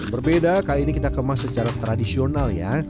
berbeda kali ini kita kemas secara tradisional ya